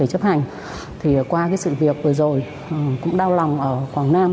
chấp hành thì qua cái sự việc vừa rồi cũng đau lòng ở quảng nam